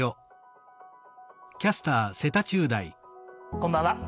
こんばんは。